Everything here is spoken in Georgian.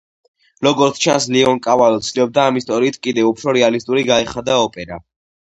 როგორც ჩანს ლეონკავალო ცდილობდა, ამ ისტორიით კიდევ უფრო რეალისტური გაეხადა ოპერა.